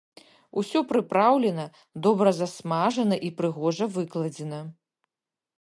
Усё прыпраўлена, добра засмажана і прыгожа выкладзена.